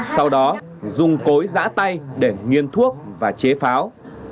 sau đó dùng cối giã tay để nghiên thuốc và chế pháo